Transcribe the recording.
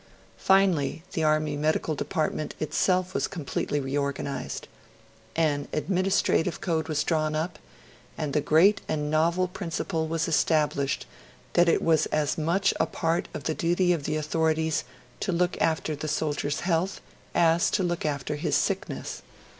Finally, the Army Medical Department itself was completely reorganised; an administrative code was drawn up; and the great and novel principle was established that it was as much a part of the duty of the authorities to look after the soldier's health as to look after his sickness.